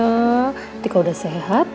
nanti kalau udah sehat